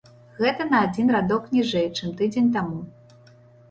Гэта на адзін радок ніжэй, чым тыдзень таму.